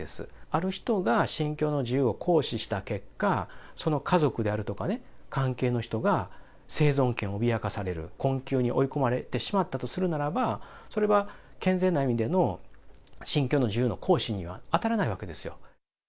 ある人が信教の自由を行使した結果、その家族であるとか、関係の人が生存権を脅かされる、困窮に追い込まれてしまったとするならば、それは健全な意味での信教の自由の行使には当たらないわけですよ。